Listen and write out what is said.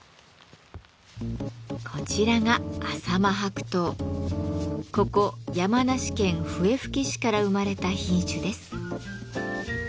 こちらがここ山梨県笛吹市から生まれた品種です。